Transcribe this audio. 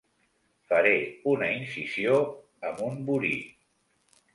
Faré una incisió amb un burí.